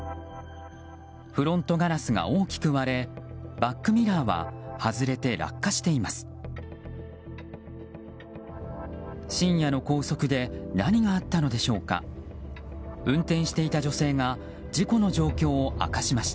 フロントガラスが大きく割れバックミラーは外れて落下しています。